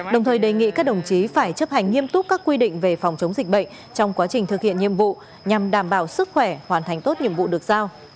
đồng thời đề nghị các đồng chí phải chấp hành nghiêm túc các quy định về phòng chống dịch bệnh trong quá trình thực hiện nhiệm vụ nhằm đảm bảo sức khỏe hoàn thành tốt nhiệm vụ được giao